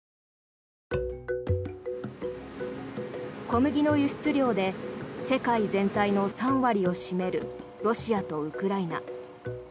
小麦の輸出量で世界全体の３割を占めるロシアとウクライナ。